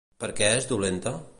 Per què és dolenta?